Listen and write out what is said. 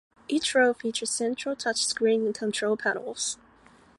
Each row features central touchscreen control panels.